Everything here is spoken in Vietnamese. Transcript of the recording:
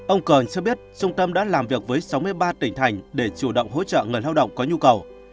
ông cường cho biết trung tâm đã làm việc với sáu mươi ba tỉnh thành để chủ động hỗ trợ người lao động có nhu cầu